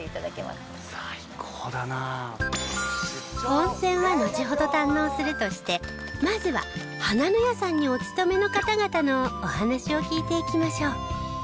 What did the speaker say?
温泉はのちほど堪能するとしてまずははなのやさんにお勤めの方々のお話を聞いていきましょう。